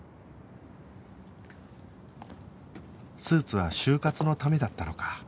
スーツは就活のためだったのか